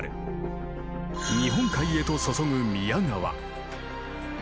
日本海へと注ぐ宮川。